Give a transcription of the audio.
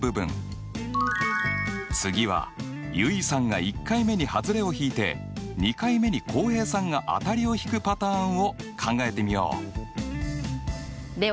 次は結衣さんが１回目にハズレをひいて２回目に浩平さんが当たりをひくパターンを考えてみよう！